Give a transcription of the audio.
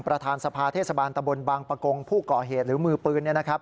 ประธานสภาเทศบาลตะบนบางประกงผู้ก่อเหตุหรือมือปืน